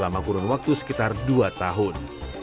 makurun waktu sekitar dua tahun